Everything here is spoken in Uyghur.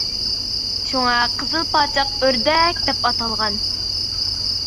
شۇڭا قىزىل پاچاق ئۆردەك دەپ ئاتالغان.